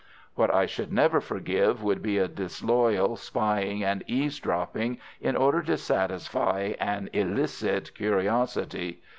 What I should never forgive would be a disloyal spying and eavesdropping in order to satisfy an illicit curiosity.